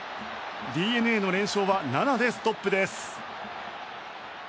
ＤｅＮＡの連勝は７でストップです。